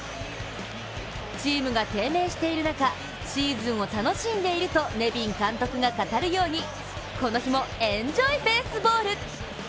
チームが低迷している中、シーズンを楽しんでいるとネビン監督が語るようにこの日もエンジョイベースボール。